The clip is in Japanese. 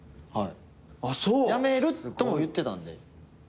辞めるとも言ってたんで。